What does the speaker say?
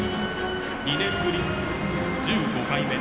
２年ぶり１５回目。